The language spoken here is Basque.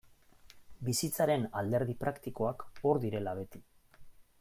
Bizitzaren alderdi praktikoak hor direla beti.